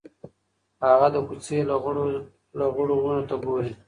هغه د کوڅې لغړو ونو ته ګوري.